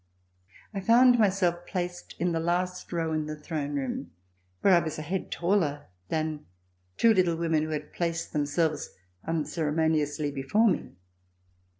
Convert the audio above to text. I found myself placed in the last row in the Throne Room where I was a head taller than two little women who had placed themselves un ceremoniously before me.